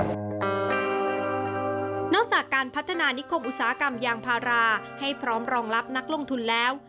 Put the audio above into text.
นอกจากการพัฒนานิคมอุตสาหกรรมยางพาราให้พร้อมรองรับนักลงทุนแล้ว